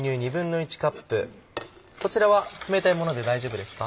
こちらは冷たいもので大丈夫ですか？